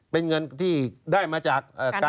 เป็นเงินที่ได้มาจาก